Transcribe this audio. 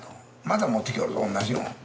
まだ持ってきよるぞ同じのを。